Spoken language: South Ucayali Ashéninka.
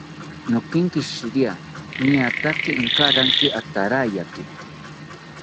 Nokenkishiria niataki inkamani atarayaki